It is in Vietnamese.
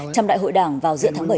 trong đại hội đảng vào giữa tháng bảy tới